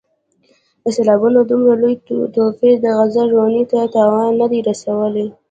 د سېلابونو دومره لوی توپیر د غزل روانۍ ته تاوان نه دی رسولی.